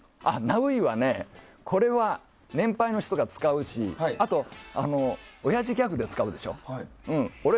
ナウいは年配の人が使うしあと、おやじギャグで使うでしょ。